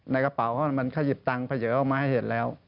ในกระป๋าของมันขยิบตังค์เผิดมาให้เห็นแล้ว